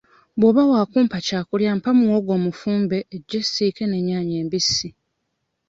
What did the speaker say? Bw'oba wa kumpa kyakulya mpa muwogo omufumbe eggi essiike n'ennyaanya embisi.